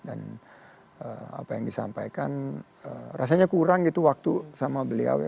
dan apa yang disampaikan rasanya kurang waktu sama beliau ya